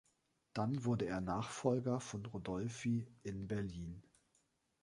Dann wurde er Nachfolger von Rudolphi in Berlin.